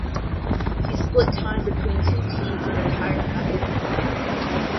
He split time between two teams and retired after the year.